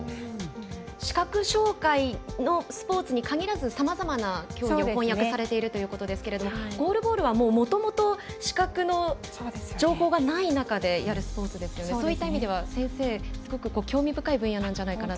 視覚障がいのスポーツに限らずさまざまな競技を翻訳されているということですがゴールボールはもともと視覚の情報がない中でやるスポーツですがそういった意味では、先生すごく興味深い分野なんじゃないかと。